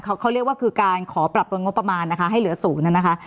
เขาเขาเรียกว่าคือการขอปรับปรุงงบประมาณนะคะให้เหลือศูนย์นะคะ